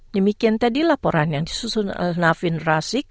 demikian tadi laporan yang disusun alnavin razik